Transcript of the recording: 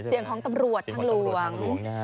เสียงของตำรวจทางหลวง